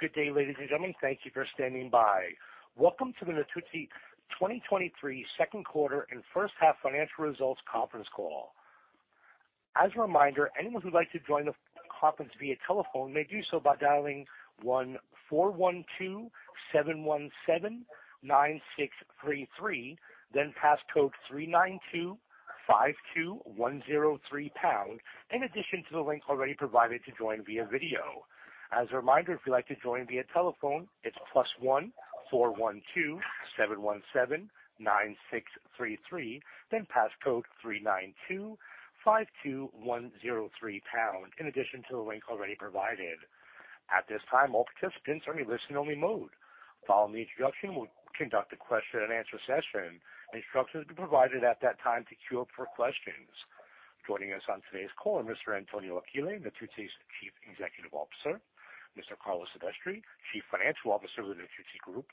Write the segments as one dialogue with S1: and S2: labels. S1: Good day, ladies and gentlemen. Thank you for standing by. Welcome to the Natuzzi 2023 Second Quarter and First Half Financial Results Conference Call. As a reminder, anyone who'd like to join the conference via telephone may do so by dialing 1-412-717-9633, then passcode 39252103 pound, in addition to the link already provided to join via video. As a reminder, if you'd like to join via telephone, it's +1-412-717-9633, then passcode 39252103 pound, in addition to the link already provided. At this time, all participants are in listen-only mode. Following the introduction, we'll conduct a question and answer session. Instructions will be provided at that time to queue up for questions. Joining us on today's call are Mr. Antonio Achille, Natuzzi's Chief Executive Officer, Mr. Carlo Silvestri, Chief Financial Officer of the Natuzzi Group,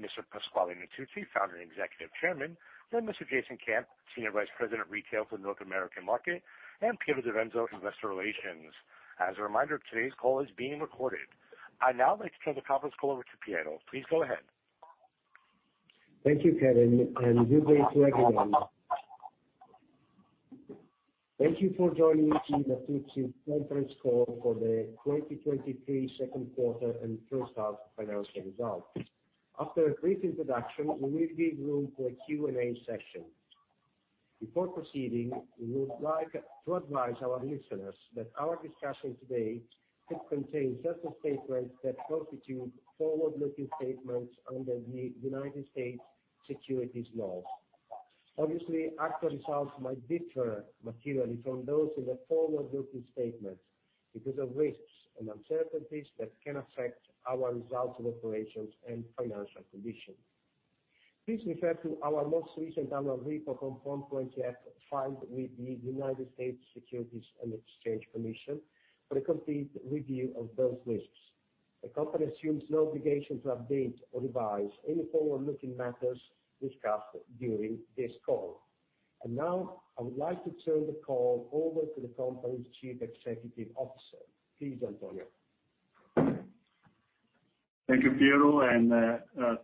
S1: Mr. Pasquale Natuzzi, Founder and Executive Chairman, then Mr. Jason Camp, Senior Vice President, Retail for the North American market, and Piero Direnzo, Investor Relations. As a reminder, today's call is being recorded. I'd now like to turn the conference call over to Piero. Please go ahead.
S2: Thank you, Kevin, and good day to everyone. Thank you for joining the Natuzzi conference call for the 2023 second quarter and first half financial results. After a brief introduction, we will give room to a Q&A session. Before proceeding, we would like to advise our listeners that our discussion today could contain certain statements that constitute forward-looking statements under the U.S. securities laws. Obviously, actual results might differ materially from those in the forward-looking statements because of risks and uncertainties that can affect our results of operations and financial conditions. Please refer to our most recent annual report on Form 20-F filed with the U.S. Securities and Exchange Commission for a complete review of those risks. The company assumes no obligation to update or revise any forward-looking matters discussed during this call. Now, I would like to turn the call over to the company's Chief Executive Officer. Please, Antonio.
S3: Thank you, Piero, and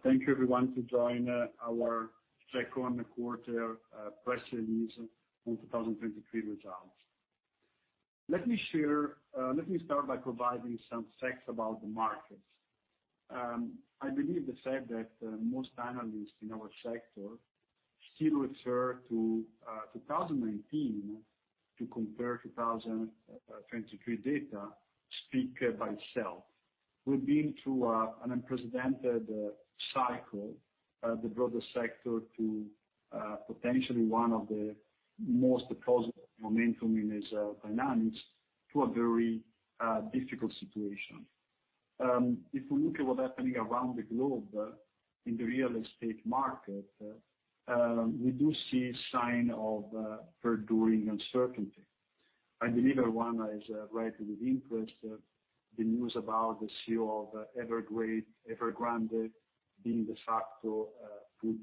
S3: thank you everyone to join our second quarter press release on 2023 results. Let me start by providing some facts about the markets. I believe the fact that most analysts in our sector still refer to 2019 to compare 2023 data speak by itself. We've been through an unprecedented cycle that brought the sector to potentially one of the most positive momentum in its finance to a very difficult situation. If we look at what's happening around the globe in the real estate market, we do see sign of enduring uncertainty. I believe everyone is read with interest of the news about the CEO of Evergrande being de facto put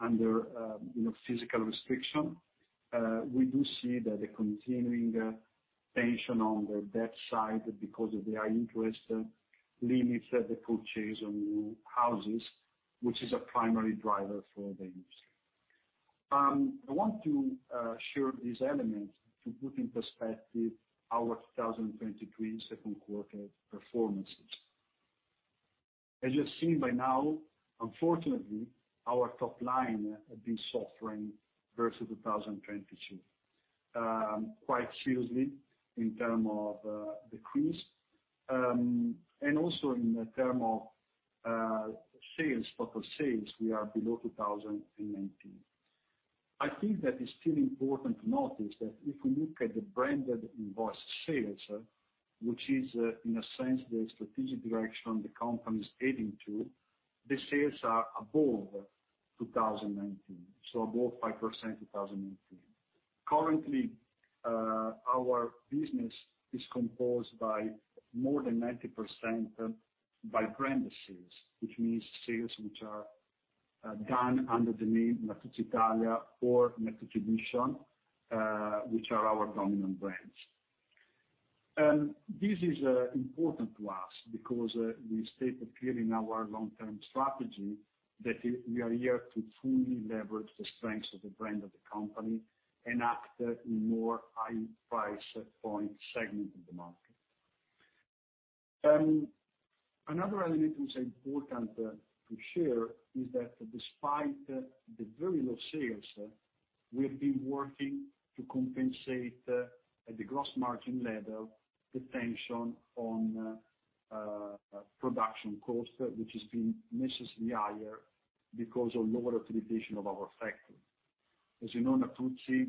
S3: under, you know, physical restriction. We do see that the continuing tension on the debt side because of the high interest limits the purchase on new houses, which is a primary driver for the industry. I want to share these elements to put in perspective our 2023 second quarter performances. As you've seen by now, unfortunately, our top line has been suffering versus 2022 quite seriously in term of decrease and also in the term of sales, total sales, we are below 2019. I think that it's still important to notice that if we look at the branded invoice sales, which is, in a sense, the strategic direction the company is heading to, the sales are above 2019, so above 5%, 2019. Currently, our business is composed by more than 90% by brand sales, which means sales which are done under the name Natuzzi Italia or Natuzzi Editions, which are our dominant brands. This is important to us because we stated clearly in our long-term strategy that we are here to fully leverage the strengths of the brand of the company and act in more high price point segment of the market. Another element which is important to share is that despite the very low sales, we have been working to compensate at the gross margin level, the tension on production cost, which has been necessarily higher because of lower optimization of our factory. As you know, Natuzzi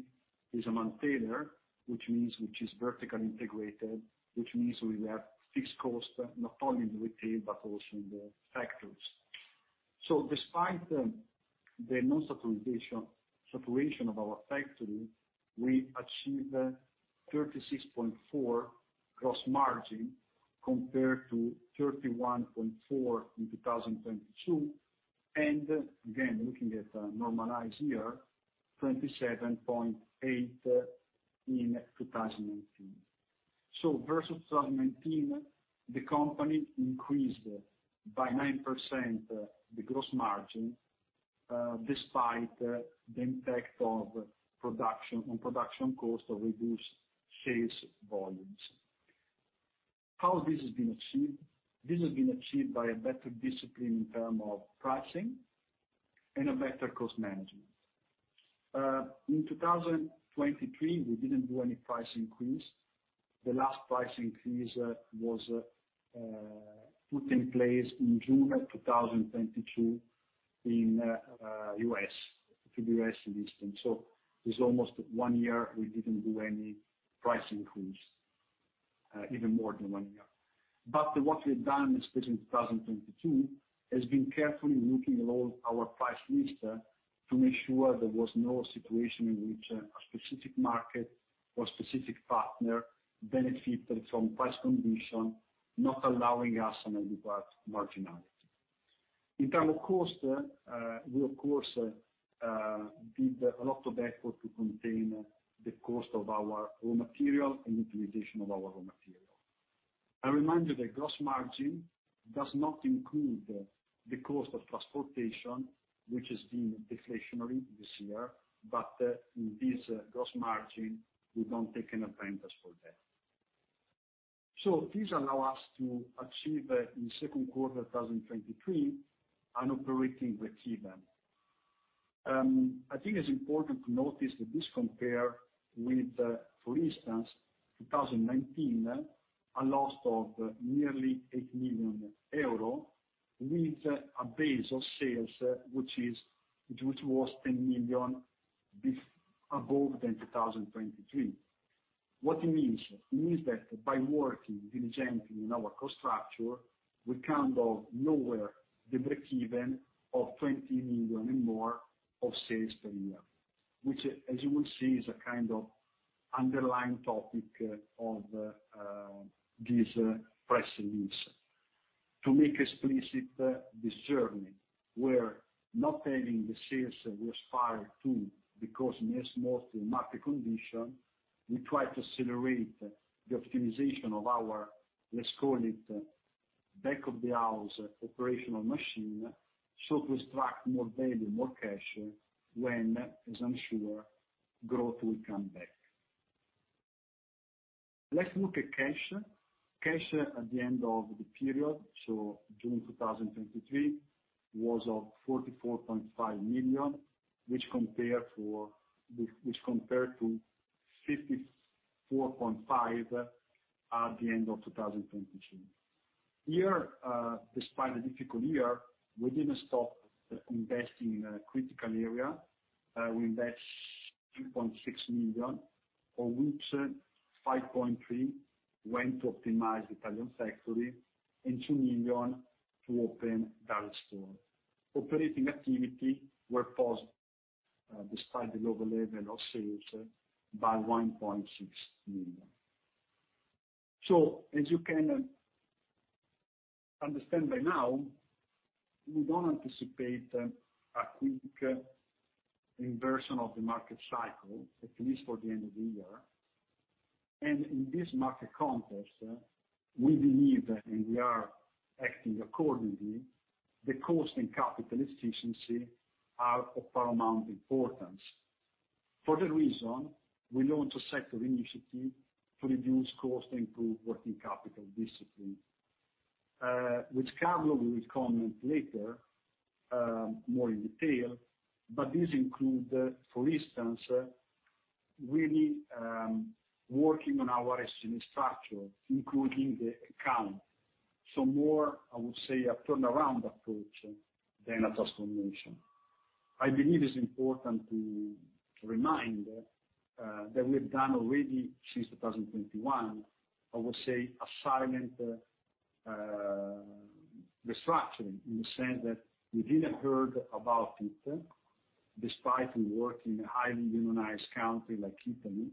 S3: is a manutailer which means which is vertically integrated, which means we have fixed cost, not only in retail, but also in the factories. So despite the non-saturation of our factory, we achieved 36.4 gross margin compared to 31.4 in 2022. And again, looking at a normalized year, 27.8 in 2018. So versus 2019, the company increased by 9% the gross margin, despite the impact of production on production cost of reduced sales volumes. How this has been achieved. This has been achieved by a better discipline in terms of pricing and a better cost management. In 2023, we didn't do any price increase. The last price increase was put in place in June of 2022 in the U.S. and Eastern. So it's almost one year we didn't do any price increase, even more than one year. But what we've done, especially in 2022, has been carefully looking at all our price list to make sure there was no situation in which a specific market or specific partner benefited from price condition, not allowing us an adequate marginality. In terms of cost, we of course did a lot of effort to contain the cost of our raw material and utilization of our raw material. I remind you that gross margin does not include the cost of transportation, which has been deflationary this year, but, in this gross margin, we don't take an apprentice for that. So these allow us to achieve, in second quarter 2023, an operating breakeven. I think it's important to notice that this compare with, for instance, 2019, a loss of nearly 8 million euro, with a base of sales which was 10 million above than 2023. What it means? It means that by working diligently in our cost structure, we can go nowhere the breakeven of 20 million and more of sales per year, which as you will see, is a kind of underlying topic of, this press release. To make explicit this journey, we're not having the sales we aspire to, because in this mostly market condition, we try to accelerate the optimization of our, let's call it, back of the house operational machine, so to extract more value, more cash, when, as I'm sure, growth will come back. Let's look at cash. Cash at the end of the period, so June 2023, was 44.5 million, which compared to 54.5 million at the end of 2022. Here, despite the difficult year, we didn't stop investing in a critical area. We invest 2.6 million, of which 5.3 million went to optimize Italian factory, and 2 million to open direct store. Operating activity were paused, despite the lower level of sales by 1.6 million. So as you can understand by now, we don't anticipate a quick inversion of the market cycle, at least for the end of the year. And in this market context, we believe, and we are acting accordingly, the cost and capital efficiency are of paramount importance. For that reason, we launched a sector initiative to reduce cost and improve working capital discipline, which Carlo will comment later, more in detail, but this include, for instance, really, working on our structure, including headcount. So more, I would say, a turnaround approach than a transformation. I believe it's important to remind that we have done already since 2021, I would say, a silent restructuring, in the sense that we didn't heard about it, despite we work in a highly unionized country like Italy,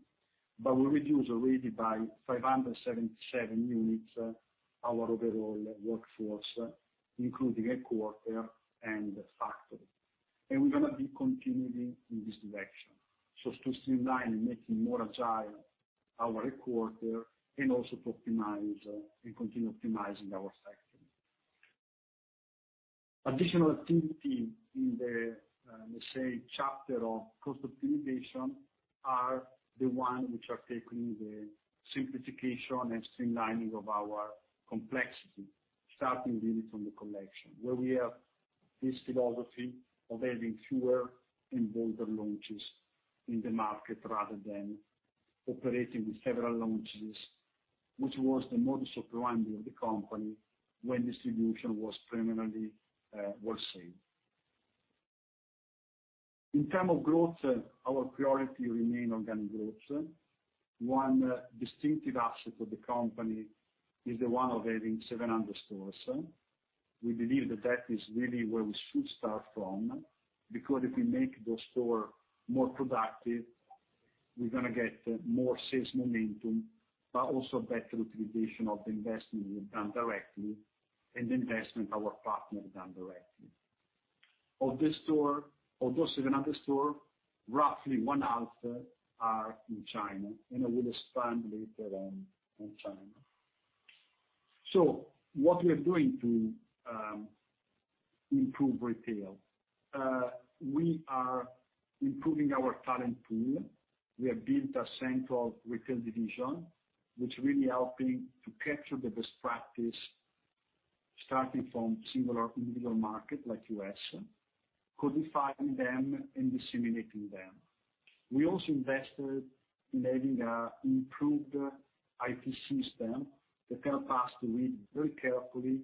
S3: but we reduce already by 577 units our overall workforce, including headquarters and factory. And we're gonna be continuing in this direction. So to streamline and making more agile our headquarters and also to optimize and continue optimizing our factory. Additional activity in the, let's say, chapter of cost optimization are the ones which are taking the simplification and streamlining of our complexity, starting really from the collection, where we have this philosophy of having fewer and bolder launches in the market, rather than operating with several launches, which was the modus operandi of the company when distribution was primarily the same. In terms of growth, our priority remain organic growth. One distinctive asset of the company is the one of having 700 stores. We believe that that is really where we should start from, because if we make the store more productive, we're gonna get more sales momentum, but also better utilization of the investment we've done directly, and investment our partner done directly of the store. Of those 700 stores, roughly one half are in China, and I will expand later on China. So what we are doing to improve retail? We are improving our talent pool. We have built a central retail division, which really helping to capture the best practice, starting from similar individual market like U.S., codifying them and disseminating them. We also invested in having a improved IT system that can pass to read very carefully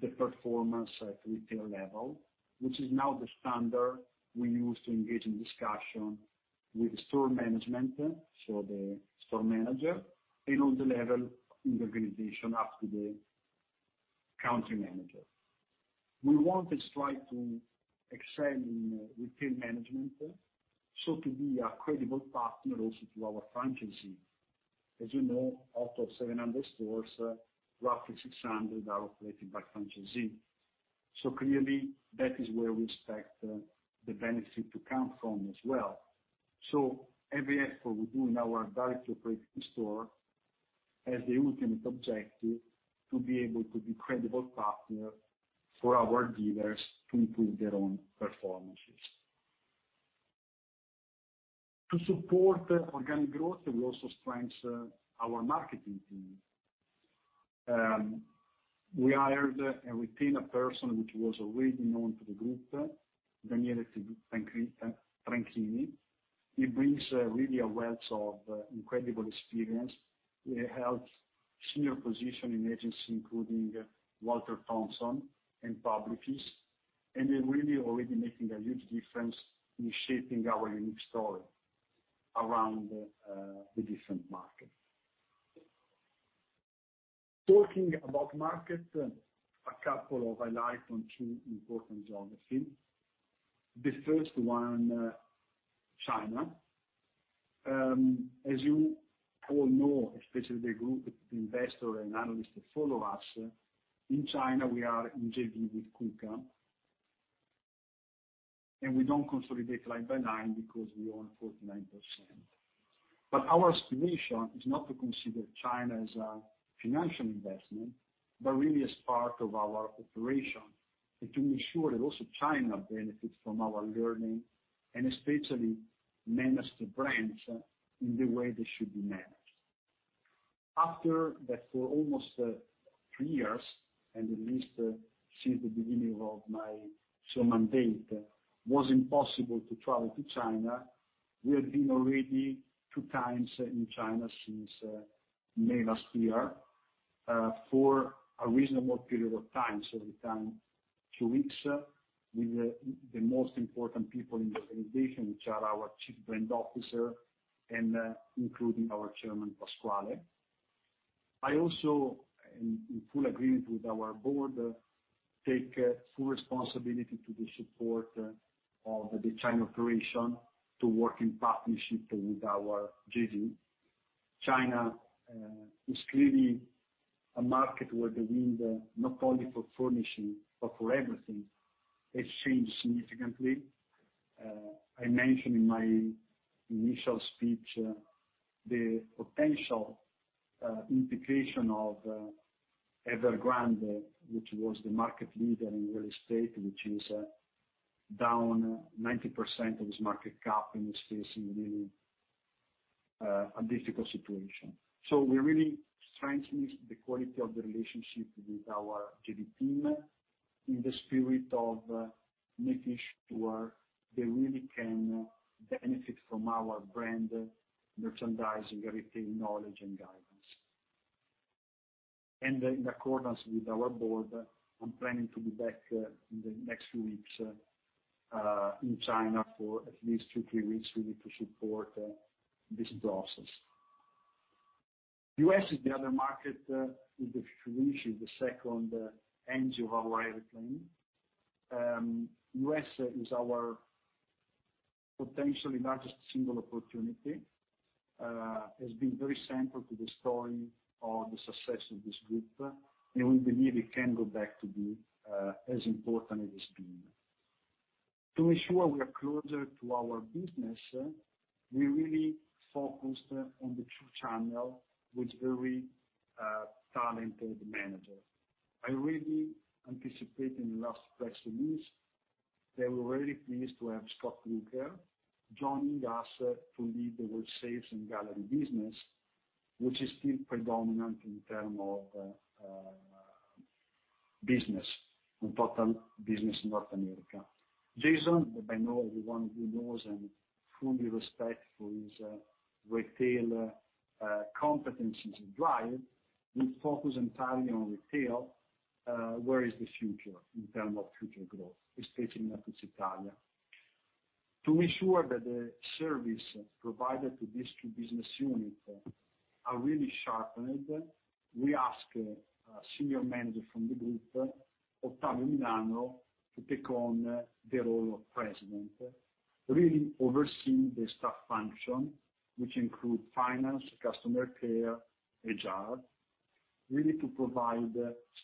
S3: the performance at retail level, which is now the standard we use to engage in discussion with store management, so the store manager, and on the level in the organization, up to the country manager. We want to strive to excel in retail management, so to be a credible partner also to our franchisee. As you know, out of 700 stores, roughly 600 are operated by franchisee. So clearly, that is where we expect, the benefit to come from as well. So every effort we do in our directly operating store has the ultimate objective to be able to be credible partner for our dealers to improve their own performances. To support organic growth, we also strengthened our marketing team. We hired and retained a person which was already known to the group, Daniele Tranchini. He brings really a wealth of incredible experience. He held senior position in agency, including J. Walter Thompson and Publicis, and they're really already making a huge difference in shaping our unique story around the different market. Talking about market, a couple of highlights on two important geographies. The first one, China. As you all know, especially the group, investor and analysts that follow us, in China, we are in JV with Kuka, and we don't consolidate line by line because we own 49%. But our aspiration is not to consider China as a financial investment, but really as part of our operation, and to ensure that also China benefits from our learning, and especially manage the brands in the way they should be managed. After that, for almost three years, and at least since the beginning of my chairman date, was impossible to travel to China. We have been already 2x in China since May last year for a reasonable period of time, so we spend two weeks with the most important people in the organization, which are our Chief Brand Officer and including our Chairman, Pasquale. I also in full agreement with our board take full responsibility to the support of the China operation to work in partnership with our JV. China, is clearly a market where the wind, not only for furnishing, but for everything, has changed significantly. I mentioned in my initial speech, the potential implication of Evergrande, which was the market leader in real estate, which is down 90% of its market cap and is facing really a difficult situation. So we're really strengthening the quality of the relationship with our JV team in the spirit of making sure they really can benefit from our brand, merchandising, retail knowledge and guidance. And in accordance with our board, I'm planning to be back in the next few weeks in China for at least two, three weeks, really, to support this process. U.S. is the other market, with the distribution, the second engine of our airplane. U.S. is our potentially largest single opportunity, has been very central to the story of the success of this group, and we believe it can go back to be as important as it's been. To ensure we are closer to our business, we really focused on the two channel, with very talented manager. I really anticipate in the last press release, that we're very pleased to have Scott Luker joining us to lead the whole sales and gallery business, which is still predominant in term of business, in total business in North America. Jason, I know everyone who knows and fully respect for his retail competencies and drive, will focus entirely on retail, where is the future in term of future growth, especially in Italia. To ensure that the service provided to these two business units are really sharpened, we ask a senior manager from the group, Ottavio Milano, to take on the role of president, really overseeing the staff function, which include finance, customer care, HR, really to provide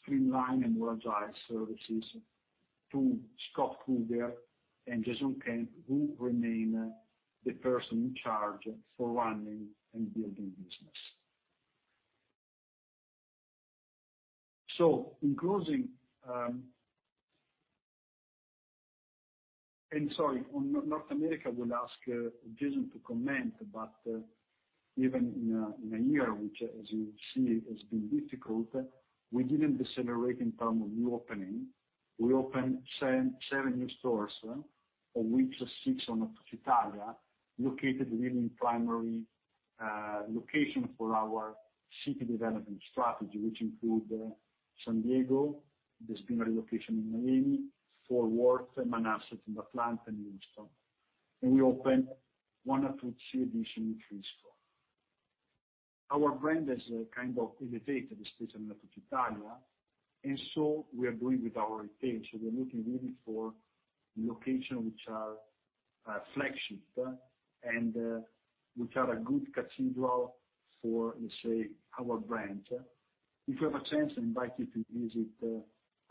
S3: streamlined and more agile services to Scott Luker and Jason Camp, who remain the persons in charge for running and building business. So in closing, and sorry, on North America, will ask Jason to comment, but, even in a year, which as you see, has been difficult, we didn't decelerate in term of new opening. We opened seven new stores, of which six on Italia, located really in primary location for our city development strategy, which include San Diego, there has been a location in Miami, Fort Worth, and Manhasset, Atlanta, and Houston. We opened one Natuzzi Edition in Frisco. Our brand is kind of imitated, especially in Italia, and so we are doing with our retail, so we're looking really for locations which are flagship, and which are a good cathedral for, let's say, our brand. If you have a chance, I invite you to visit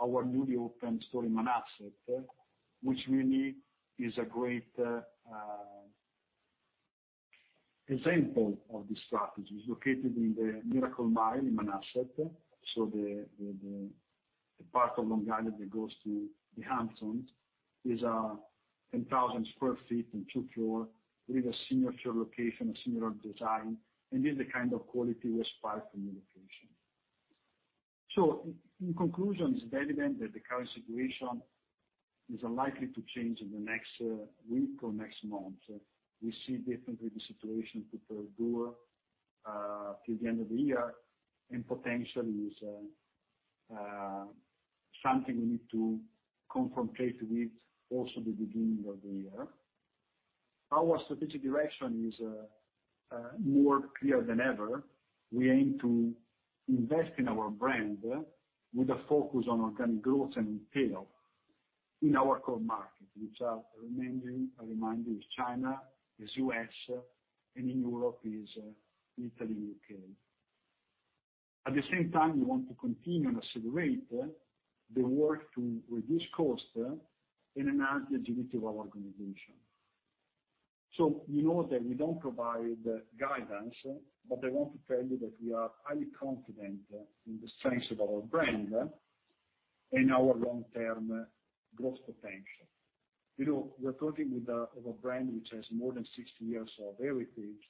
S3: our newly opened store in Manhasset, which really is a great example of this strategy. It's located in the Miracle Mile in Manhasset, so the part of Long Island that goes to the Hamptons, is 10,000 sq. ft. and two floors, with a signature location, a similar design, and is the kind of quality we aspire from the location. In conclusion, it's evident that the current situation is unlikely to change in the next week or next month. We see definitely the situation to endure till the end of the year, and potentially is something we need to confront with also the beginning of the year. Our strategic direction is more clear than ever. We aim to invest in our brand with a focus on organic growth and retail in our core markets, which are remaining, a reminder, is China, is U.S., and in Europe is Italy, U.K.. At the same time, we want to continue and accelerate the work to reduce cost and enhance the agility of our organization. So you know that we don't provide guidance, but I want to tell you that we are highly confident in the strength of our brand and our long-term growth potential. You know, we're talking with a, of a brand which has more than 60 years of heritage,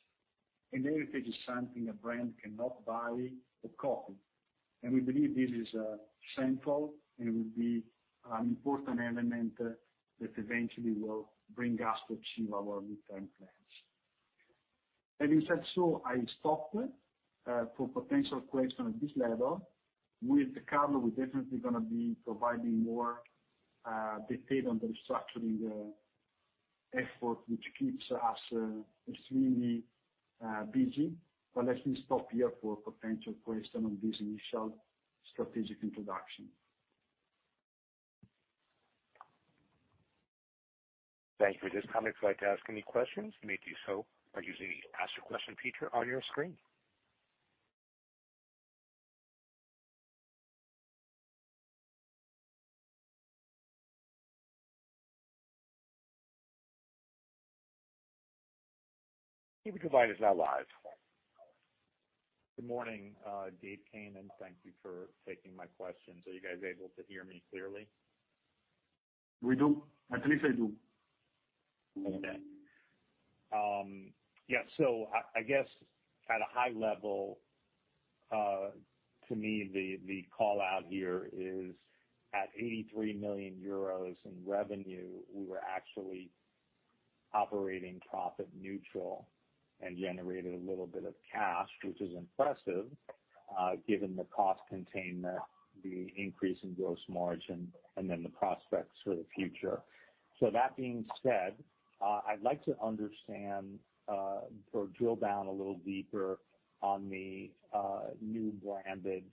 S3: and heritage is something a brand cannot buy or copy. We believe this is central and will be an important element that eventually will bring us to achieve our midterm plans. Having said so, I stop for potential questions at this level. With Carlo, we're definitely gonna be providing more detail on the restructuring effort, which keeps us extremely busy. But let me stop here for potential question on this initial strategic introduction.
S1: Thank you. At this time, if you'd like to ask any questions, you may do so by using the Ask a Question feature on your screen. The provider is now live.
S4: Good morning, David Kanen, thank you for taking my questions. Are you guys able to hear me clearly?
S3: We do. At least I do.
S4: Okay. Yeah, so I guess at a high level, to me, the call out here is at 83 million euros in revenue, we were actually operating profit neutral and generated a little bit of cash, which is impressive, given the cost containment, the increase in gross margin, and then the prospects for the future. So that being said, I'd like to understand, or drill down a little deeper on the new branded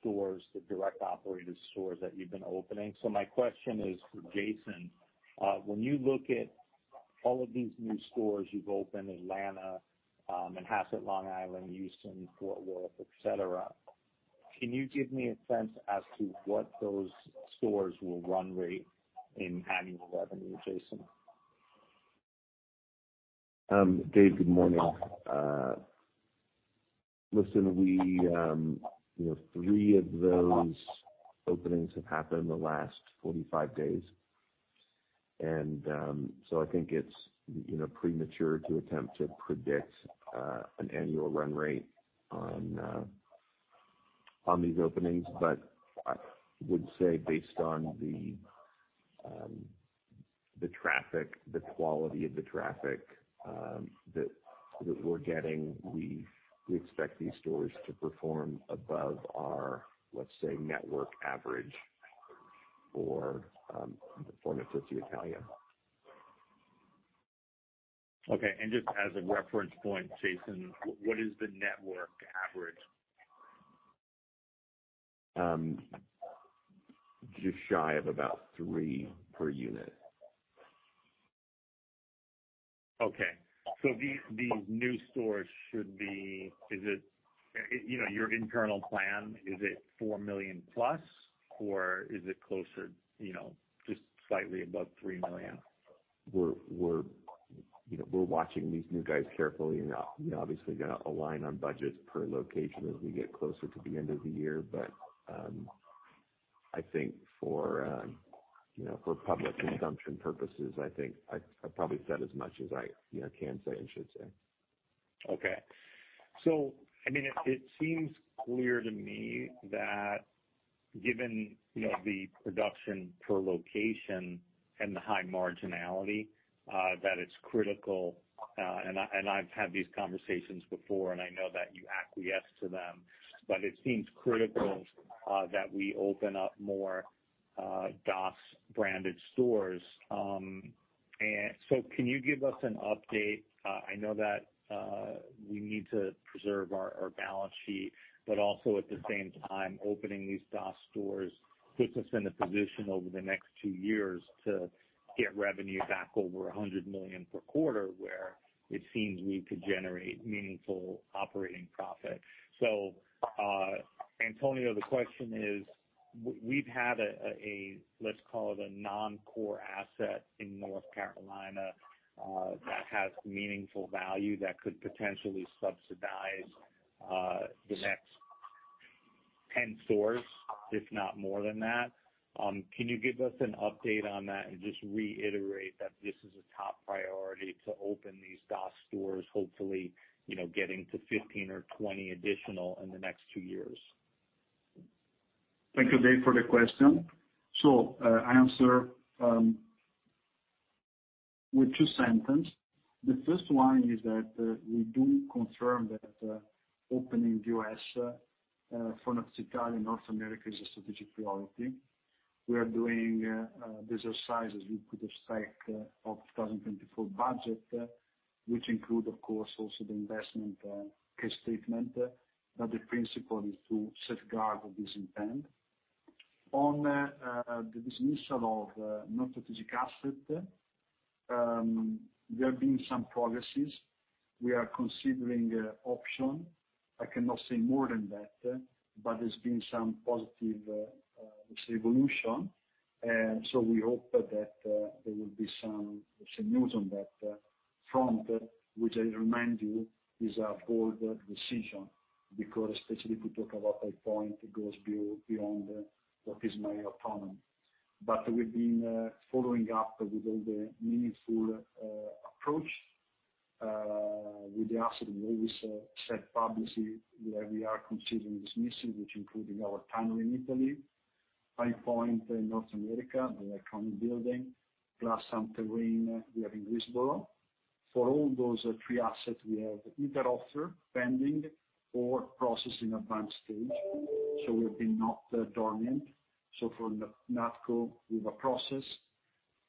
S4: stores, the direct operated stores that you've been opening. So my question is for Jason. When you look at all of these new stores you've opened, Atlanta, and Manhasset, Long Island, Houston, Fort Worth, et cetera, can you give me a sense as to what those stores will run rate in annual revenue, Jason?
S5: Dave, good morning. Listen, we, you know, three of those openings have happened in the last 45 days, and, so I think it's, you know, premature to attempt to predict, an annual run rate on, on these openings. But I would say, based on the, the traffic, the quality of the traffic, that, that we're getting, we, we expect these stores to perform above our, let's say, network average for, the Fort Worth Italia.
S4: Okay. And just as a reference point, Jason, what is the network average?
S5: Just shy of about 3 per unit.
S4: Okay, so these, these new stores should be, is it, you know, your internal plan, is it 4 million plus, or is it closer, you know, just slightly above 3 million?
S5: We're, you know, we're watching these new guys carefully, and we obviously got to align on budgets per location as we get closer to the end of the year. But, I think for, you know, for public consumption purposes, I think I probably said as much as I, you know, can say and should say.
S4: Okay. So, I mean, it seems clear to me that given, you know, the production per location and the high marginality, that it's critical, and I've had these conversations before, and I know that you acquiesce to them, but it seems critical, that we open up more, DOS-branded stores. And so can you give us an update? I know that, we need to preserve our, our balance sheet, but also at the same time, opening these DOS stores puts us in a position over the next two years to get revenue back over 100 million per quarter, where it seems we could generate meaningful operating profit. So, Antonio, the question is, we've had a, let's call it a non-core asset in North Carolina, that has meaningful value that could potentially subsidize the next 10 stores, if not more than that. Can you give us an update on that? And just reiterate that this is a top priority to open these DOS stores, hopefully, you know, getting to 15 or 20 additional in the next two years.
S3: Thank you, Dave, for the question. So, I answer with two sentence. The first one is that we do confirm that opening U.S. for North America is a strategic priority. We are doing business sizes with respect of 2024 budget, which include, of course, also the investment case statement, but the principle is to safeguard this intent. On the dismissal of non-strategic asset, there have been some progresses. We are considering option. I cannot say more than that, but there's been some positive, let's say, evolution, and so we hope that there will be some news on that front, which I remind you, is a bold decision, because especially if we talk about High Point, it goes beyond what is my autonomy. But we've been following up with all the meaningful approach with the asset. We always said publicly that we are considering disposing, including our plant in Italy, High Point in North America, then the iconic building, plus some terrain we have in Greensboro. For all those three assets, we have either offers pending or processing advanced stage, so we've been not dormant. So for NATCO, we have a process.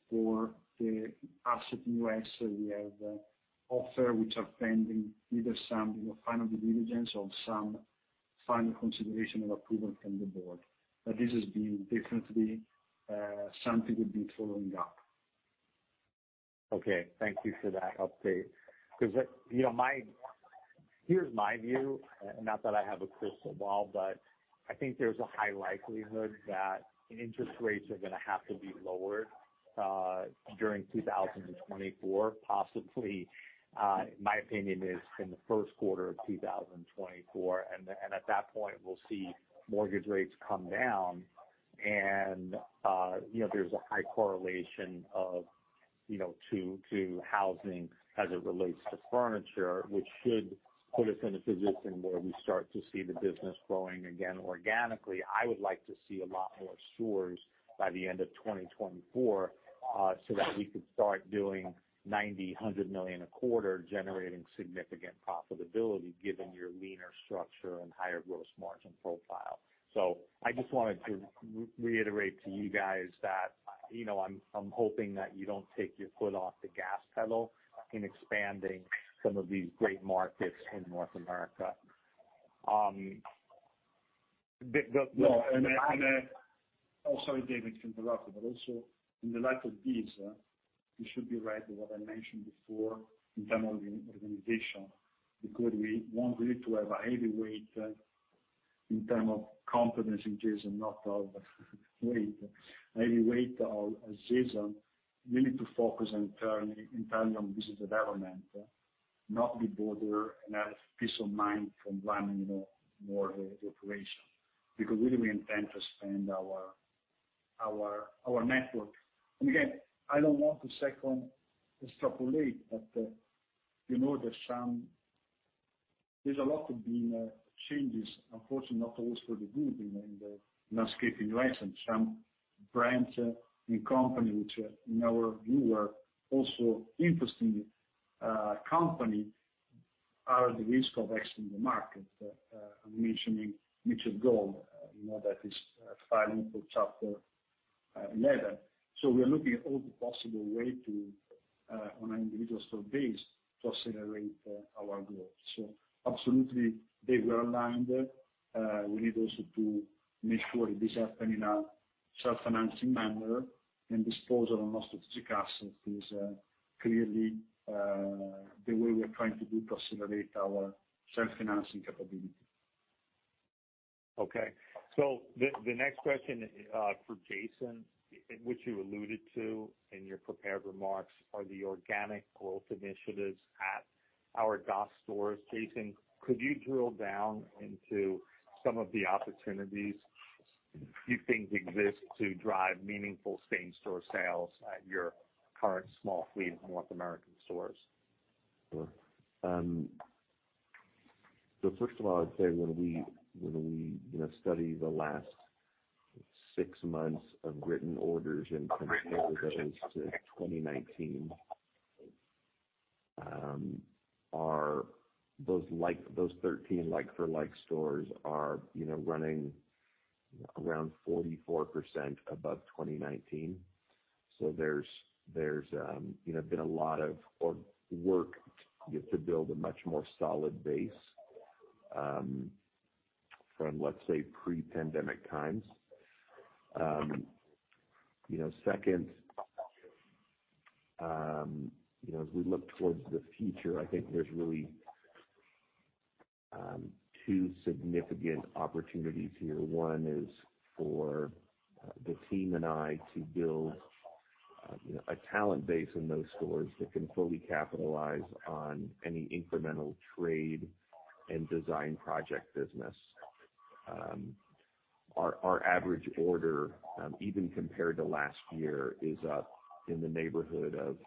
S3: For the asset in U.S., we have offer which are pending, either some final due diligence or some final consideration or approval from the board. But this has been definitely something we'll be following up.
S4: Okay, thank you for that update. Because, you know, my—here's my view, not that I have a crystal ball, but I think there's a high likelihood that interest rates are going to have to be lowered during 2024. Possibly, my opinion is in the first quarter of 2024, and, and at that point, we'll see mortgage rates come down. And, you know, there's a high correlation of, you know, to, to housing as it relates to furniture, which should put us in a position where we start to see the business growing again organically. I would like to see a lot more stores by the end of 2024, so that we could start doing 90-100 million a quarter, generating significant profitability, given your leaner structure and higher gross margin profile. So I just wanted to reiterate to you guys that, you know, I'm hoping that you don't take your foot off the gas pedal in expanding some of these great markets in North America.
S3: Oh, sorry, David, interrupt you, but also in the light of this, you should be right what I mentioned before in terms of the organization, because we want really to have a heavy weight in terms of confidence in Jason, not of weight, heavy weight of Jason. We need to focus internally on business development, not be bothered and have peace of mind from running, you know, more the operation, because really we intend to spend our, our, our network. And again, I don't want to second extrapolate, but, you know, there's some-- there's a lot of been changes, unfortunately, not always for the good in the landscape in the U.S., and some brands and company, which in our view, are also interesting, uh, company, are at risk of exiting the market. I'm mentioning Mitchell Gold, you know, that is filing for Chapter 11. So we're looking at all the possible way to on an individual store basis to accelerate our growth. So absolutely, they were aligned. We need also to make sure this happen in a self-financing manner and disposal of non-strategic assets is clearly the way we are trying to do to accelerate our self-financing capability.
S4: Okay. So the, the next question for Jason, which you alluded to in your prepared remarks, are the organic growth initiatives at our DOS stores. Jason, could you drill down into some of the opportunities you think exist to drive meaningful same-store sales at your current small fleet in North American stores?
S5: So first of all, I'd say when we study the last six months of written orders and compared against 2019, those 13 like for like stores are, you know, running around 44% above 2019. So there's you know been a lot of our work to build a much more solid base from, let's say, pre-pandemic times. You know, second, you know, as we look towards the future, I think there's really two significant opportunities here. One is for the team and I to build you know a talent base in those stores that can fully capitalize on any incremental trade and design project business. Our average order even compared to last year is up in the neighborhood of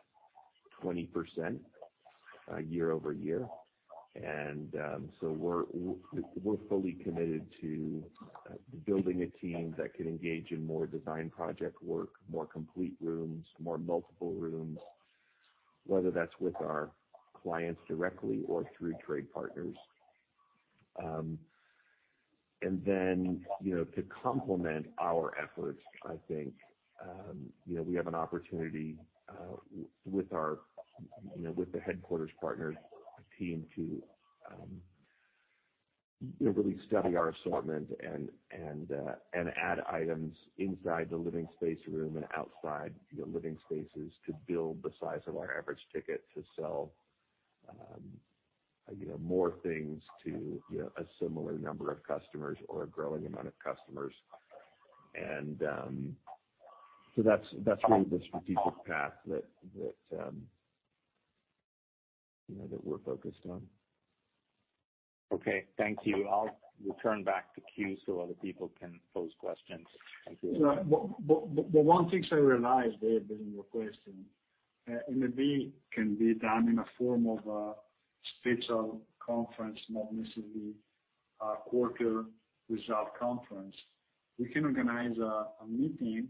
S5: 20% year-over-year. We're fully committed to building a team that can engage in more design project work, more complete rooms, more multiple rooms, whether that's with our clients directly or through trade partners. To complement our efforts, you know, I think, we have an opportunity with our, you know, with the headquarters partners team to, you know, really study our assortment and add items inside the living space room and outside, you know, living spaces to build the size of our average ticket to sell, you know, more things to, you know, a similar number of customers or a growing amount of customers. That's really the strategic path that we're focused on.
S4: Okay. Thank you. I'll return back to queue so other people can pose questions. Thank you.
S3: But one thing I realized, David, in your question, maybe can be done in a form of a special conference, not necessarily a quarter result conference. We can organize a meeting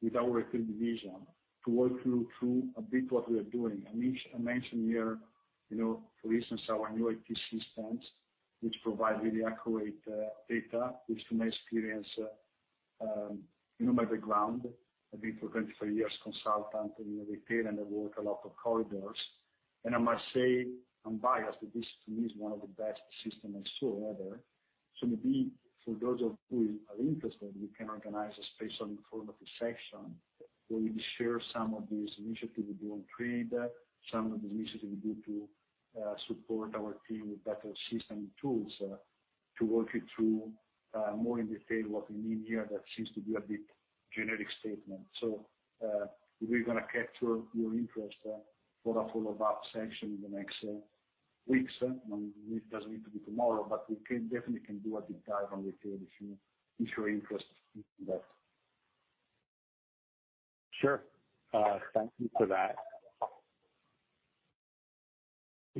S3: with our team division to walk you through a bit what we are doing. I mentioned here, you know, for instance, our new IPC systems, which provide really accurate data, which to my experience, you know, my background, I've been for 24 years consultant in retail, and I work a lot of corridors. And I must say, I'm biased, but this, to me, is one of the best system I saw ever. So maybe for those of who are interested, we can organize a special informative session, where we share some of these initiatives we do on trade, some of the initiatives we do to support our team with better system tools, to walk you through more in detail what we mean here. That seems to be a bit generic statement. So, we're gonna capture your interest for a follow-up session in the next weeks. It doesn't need to be tomorrow, but we can definitely do a deep dive on retail if you, if you're interested in that.
S4: Sure. Thank you for that.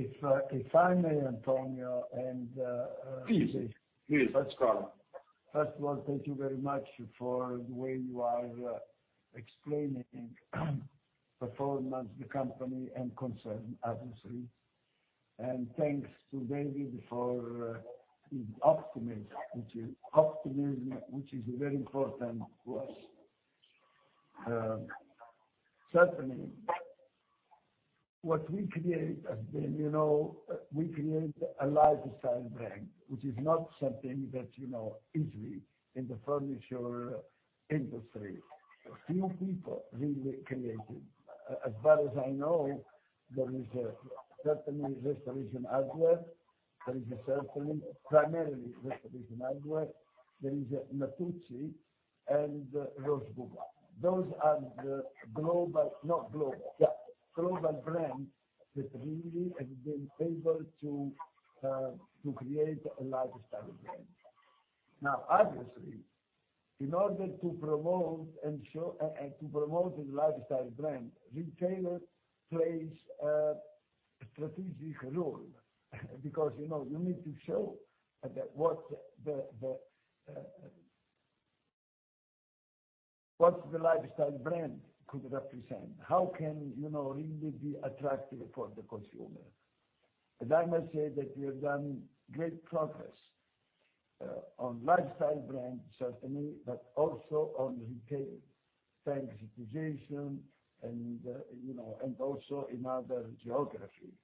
S6: If I may, Antonio,
S3: Please, please. Pasquale.
S6: First of all, thank you very much for the way you are explaining performance, the company, and concern, obviously. And thanks to David for his optimism, which is optimism, which is very important to us. Certainly, what we create has been, you know, we create a lifestyle brand, which is not something that, you know, easily in the furniture industry, few people really create it. As far as I know, there is certainly Restoration Hardware. There is certainly, primarily Restoration Hardware, there is Natuzzi and Roche Bobois. Those are the global, not global, yeah, global brands that really have been able to create a lifestyle brand. Now, obviously, in order to promote and show, and to promote a lifestyle brand, retailer plays a strategic role because, you know, you need to show that what the, the, what the lifestyle brand could represent, how can, you know, really be attractive for the consumer? And I must say that we have done great progress on lifestyle brands certainly, but also on retail, thanks to digitization and, you know, and also in other geographies.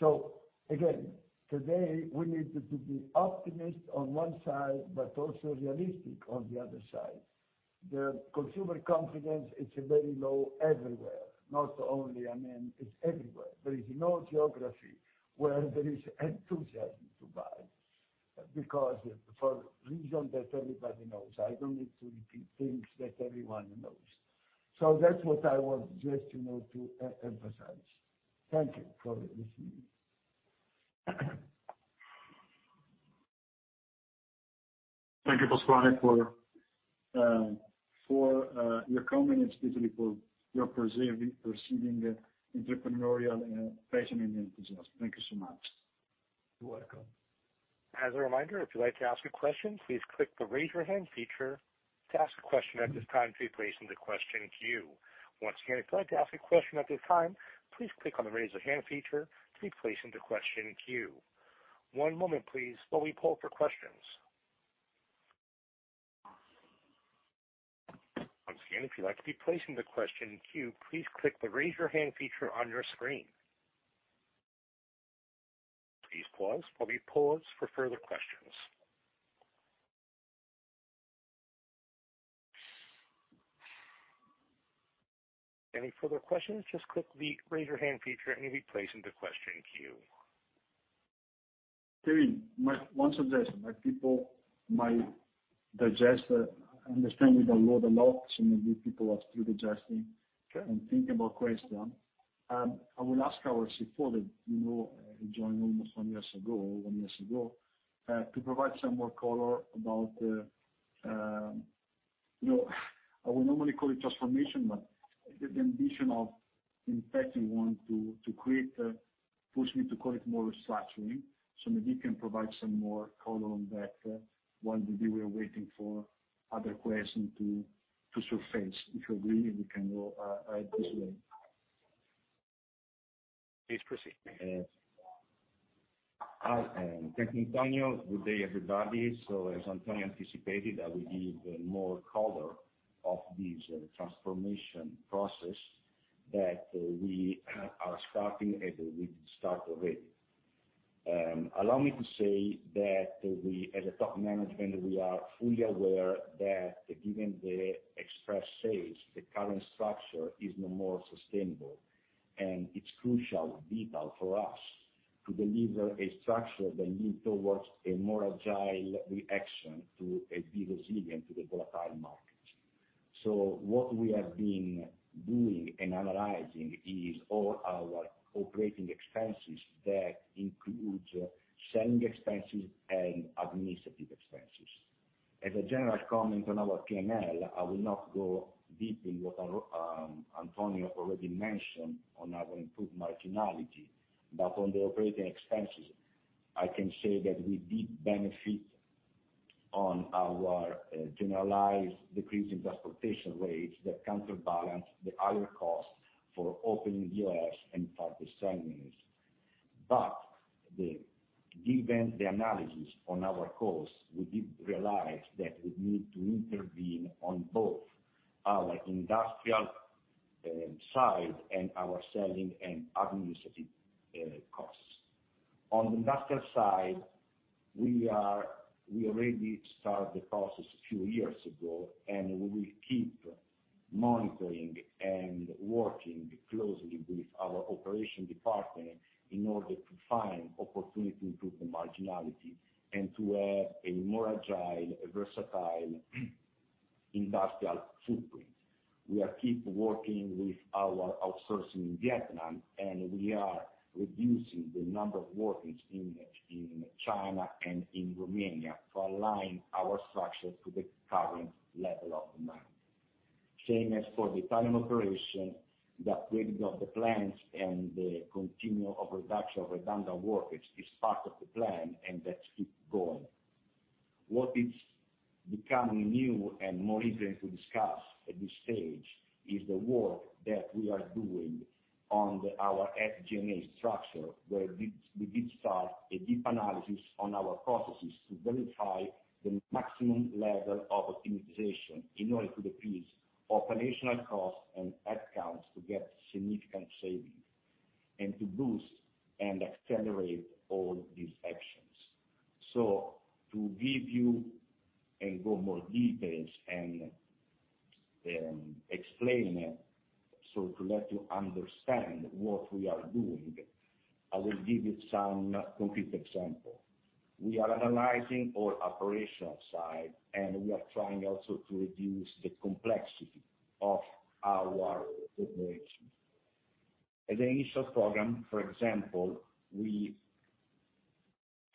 S6: So again, today, we need to be optimistic on one side, but also realistic on the other side. The consumer confidence, it's very low everywhere, not only, I mean, it's everywhere. There is no geography where there is enthusiasm to buy, because for reasons that everybody knows, I don't need to repeat things that everyone knows. So that's what I want just, you know, to emphasize. Thank you for listening.
S3: Thank you, Pasquale, for your comments, especially for your perceiving entrepreneurial passion and enthusiasm. Thank you so much.
S6: You're welcome.
S1: As a reminder, if you'd like to ask a question, please click the Raise Your Hand feature to ask a question. At this time, please place in the question queue. Once again, if you'd like to ask a question at this time, please click on the Raise Your Hand feature to be placed in the question queue. One moment, please, while we poll for questions. Once again, if you'd like to be placed in the question queue, please click the Raise Your Hand feature on your screen. Please pause while we pause for further questions. Any further questions, just click the Raise Your Hand feature, and you'll be placed in the question queue.
S3: Kevin, my one suggestion, my people might digest, understand we download a lot, so maybe people are still digesting.
S1: Sure.
S3: And thinking about question. I will ask our CFO that, you know, joined almost one year ago to provide some more color about, you know, I would normally call it transformation, but the ambition of, in fact, we want to create push me to call it more restructuring. So maybe you can provide some more color on that while we were waiting for other questions to surface. If you agree, we can go this way.
S1: Please proceed.
S7: Hi, and thank you, Antonio. Good day, everybody. So as Antonio anticipated, I will give more color of this transformation process that we are starting, and we start already. Allow me to say that we, as a top management, we are fully aware that given the express sales, the current structure is no more sustainable, and it's crucial, vital for us to deliver a structure that lead towards a more agile reaction to be resilient to the volatile market. So what we have been doing and analyzing is all our operating expenses, that includes selling expenses and administrative expenses. As a general comment on our P&L, I will not go deep in what Antonio already mentioned on our improved marginality, but on the operating expenses, I can say that we did benefit on our generalized decrease in transportation rates that counterbalance the higher cost for opening U.S. and third assignments. Given the analysis on our costs, we did realize that we need to intervene on both our industrial side and our selling and administrative costs. On the industrial side, we already started the process a few years ago, and we will keep monitoring and working closely with our operation department in order to find opportunity to improve the marginality and to have a more agile, versatile, industrial footprint. We are keep working with our outsourcing in Vietnam, and we are reducing the number of workers in China and in Romania to align our structure to the current level of demand. Same as for the Italian operation, the upgrade of the plants and the continue of reduction of redundant workers is part of the plan, and that keep going. What is becoming new and more interesting to discuss at this stage is the work that we are doing on our SG&A structure, where we did start a deep analysis on our processes to verify the maximum level of optimization in order to decrease operational costs and headcount, to get significant savings, and to boost and accelerate all these actions. So to give you more details and explain, so to let you understand what we are doing, I will give you some complete example. We are analyzing all operational side, and we are trying also to reduce the complexity of our operations. As an initial program, for example, we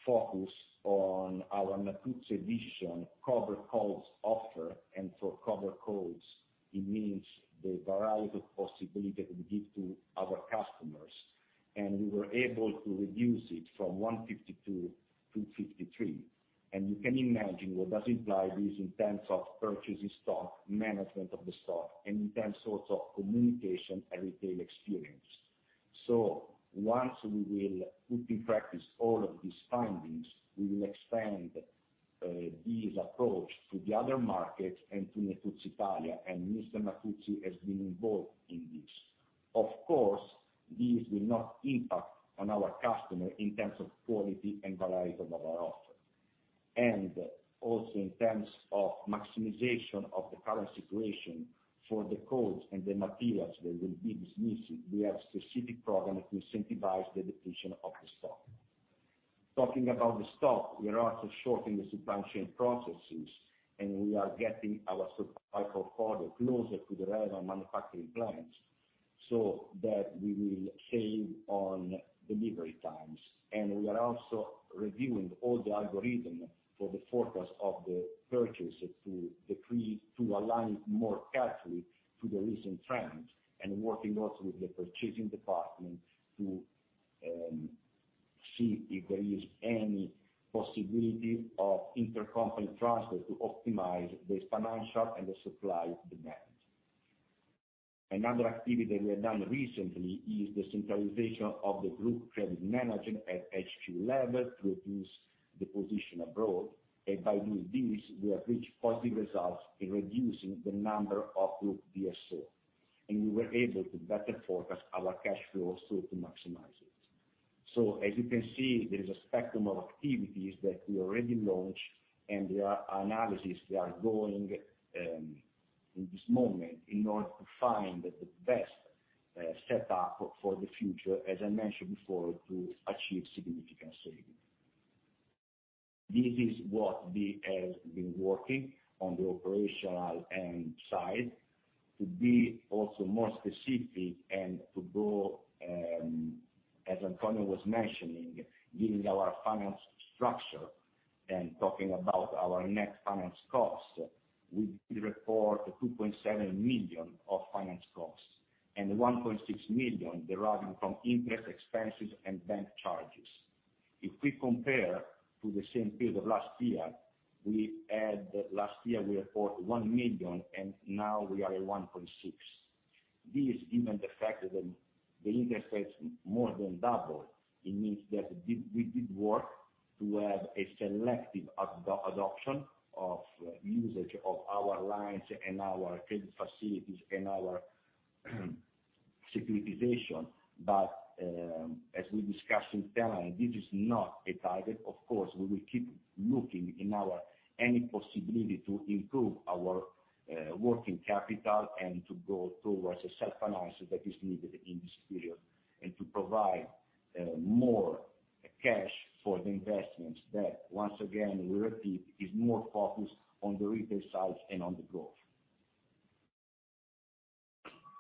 S7: focus on our Natuzzi Editions, cover codes offer, and for cover codes, it means the variety of possibility that we give to our customers, and we were able to reduce it from 152 to 53. And you can imagine what that imply this in terms of purchasing stock, management of the stock, and in terms of communication and retail experience. So once we will put in practice all of these findings, we will expand this approach to the other markets and to Natuzzi Italia, and Mr. Natuzzi has been involved in this. Of course, this will not impact on our customer in terms of quality and variety of our offer. Also, in terms of maximization of the current situation for the codes and the materials that will be dismissed, we have a specific program to incentivize the depletion of the stock. Talking about the stock, we are also shortening the supply chain processes, and we are getting our supply for order closer to the relevant manufacturing plants, so that we will save on delivery times. We are also reviewing all the algorithm for the forecast of the purchase to decree, to align more carefully to the recent trends, and working also with the purchasing department to see if there is any possibility of intercompany transfer to optimize the financial and the supply demand. Another activity that we have done recently is the centralization of the group credit management at HQ level to reduce the position abroad, and by doing this, we have reached positive results in reducing the number of group DSO. We were able to better forecast our cash flow so to maximize it. So as you can see, there is a spectrum of activities that we already launched, and there are analysis that are going in this moment in order to find the best setup for the future, as I mentioned before, to achieve significant savings. This is what we have been working on the operational side. To be also more specific and to go, as Antonio was mentioning, giving our finance structure and talking about our net finance cost, we report 2.7 million of finance costs and 1.6 million deriving from interest expenses and bank charges. If we compare to the same period of last year, we had, last year we reported 1 million, and now we are at 1.6. This, even the fact that the interest rates more than double, it means that we did work to have a selective adoption of usage of our lines and our credit facilities and our securitization. But, as we discussed in Italy, this is not a target. Of course, we will keep looking in our any possibility to improve our working capital and to go towards a self-finance that is needed in this period, and to provide more cash for the investments that, once again, we repeat, is more focused on the retail side and on the growth.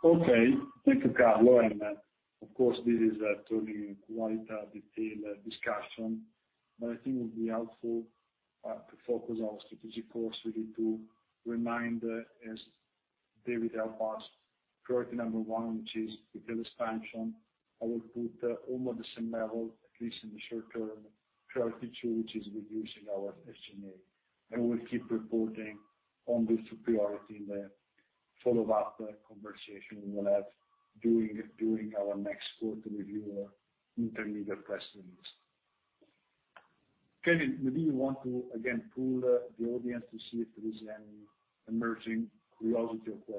S3: Okay, thank you, Carlo. And, of course, this is turning quite a detailed discussion, but I think it would be helpful to focus our strategic course. We need to remind, as David helped us, priority number one, which is retail expansion. I would put almost the same level, at least in the short term, priority two, which is reducing our SG&A. And we'll keep reporting on this priority in the follow-up conversation we will have during our next quarter review or intermediate press release. Kevin, would you want to again poll the audience to see if there is any emerging curiosity or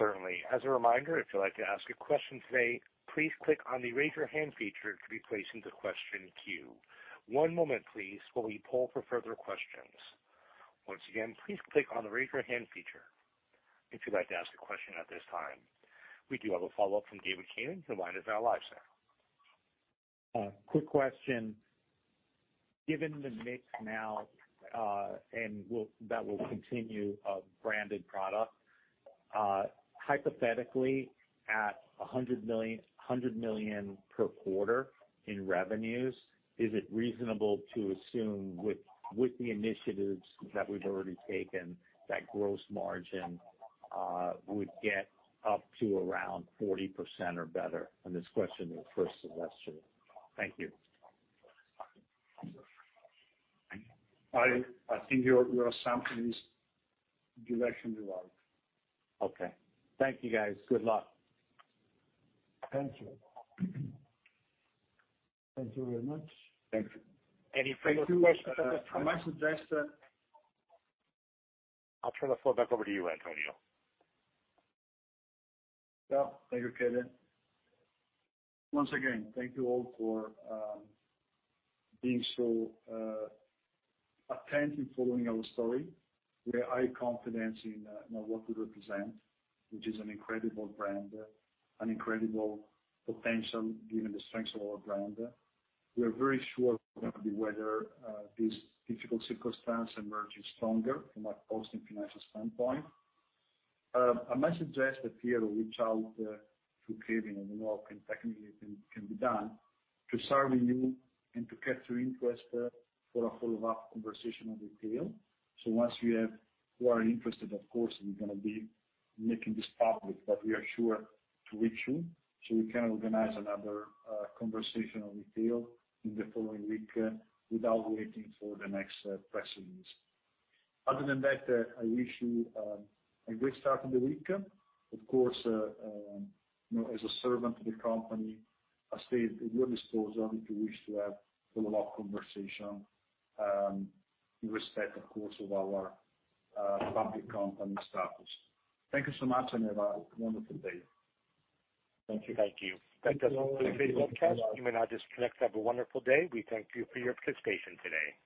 S3: question?
S1: Certainly. As a reminder, if you'd like to ask a question today, please click on the Raise Your Hand feature to be placed into question queue. One moment, please, while we poll for further questions. Once again, please click on the Raise Your Hand feature if you'd like to ask a question at this time. We do have a follow-up from David Kanen from Kanen Wealth Management live now.
S4: Quick question. Given the mix now, and will that will continue a branded product, hypothetically, at 100 million, 100 million per quarter in revenues, is it reasonable to assume with, with the initiatives that we've already taken, that gross margin would get up to around 40% or better? This question is first semester. Thank you.
S3: I think your assumption is directionally right.
S4: Okay. Thank you, guys. Good luck.
S3: Thank you.
S5: Thank you very much.
S7: Thank you.
S3: Any further questions, Kevin?
S8: I might suggest that
S1: I'll turn the floor back over to you, Antonio.
S3: Yeah, thank you, Kevin. Once again, thank you all for being so attentive following our story. We have high confidence in what we represent, which is an incredible brand, an incredible potential, given the strength of our brand. We are very sure whether this difficult circumstance emerging stronger from a posting financial standpoint. I might suggest that here reach out to Kevin, and we know what technically can, can be done to serve you and to capture interest for a follow-up conversation on detail. So once you have, who are interested, of course, we're gonna be making this public, but we are sure to reach you so we can organize another conversation on detail in the following week without waiting for the next press release. Other than that, I wish you a great start of the week. Of course, you know, as a servant to the company, I stay at your disposal if you wish to have follow-up conversation, in respect, of course, of our public company status. Thank you so much, and have a wonderful day.
S5: Thank you.
S1: Thank you. That does conclude today's webcast. You may now disconnect. Have a wonderful day. We thank you for your participation today.